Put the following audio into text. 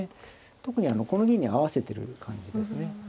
特にこの銀に合わせてる感じですね。